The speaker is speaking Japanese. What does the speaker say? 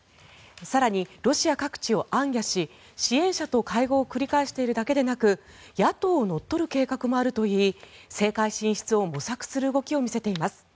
更に、ロシア各地を行脚し支援者と会合を繰り返しているだけでなく野党を乗っ取る計画もあるといい政界進出を模索する動きを見せています。